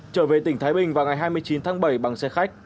trở về tỉnh thái bình vào ngày hai mươi chín tháng bảy bằng xe khách